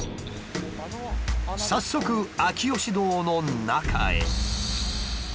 早速秋芳洞の中へ。